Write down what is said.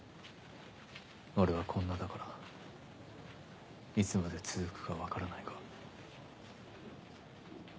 俺はこんなだからいつまで続くか分からないが。